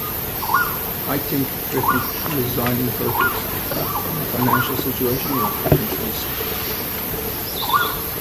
Haitink threatened to resign in protest, and the financial situation was eventually settled.